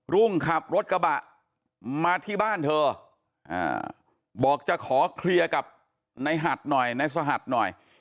รุ่งขับรถกระบะมาที่บ้านเธอบอกจะขอเคลียร์กับในหัดหน่อยในสหัสหน่อย